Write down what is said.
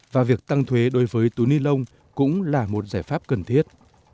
và việc tăng thuế đối với túi ni lông cũng là một giải pháp cần thiết